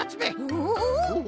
おお。